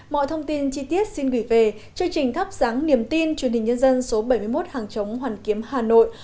mọi thông tin chi tiết xin gửi về chương trình thắp sáng niềm tin truyền hình nhân dân số bảy mươi một hàng chống hoàn kiếm hà nội